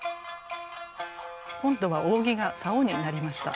今度は扇が竿になりました。